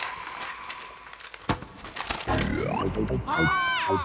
あっ！